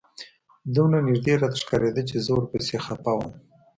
دومره نژدې راته ښکارېده چې زه ورپسې خپه وم.